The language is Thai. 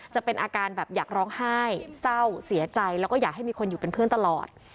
จะเป็นอาการแบบอยากร้องไห้เศร้าเสียใจแล้วก็อยากให้มีคนอยู่เป็นเพื่อนตลอด